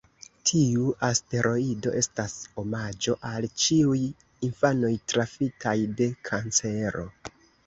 Tiu asteroido estas omaĝo al ĉiuj infanoj trafitaj de kancero.